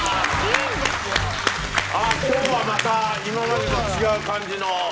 あっ今日はまた今までと違う感じの。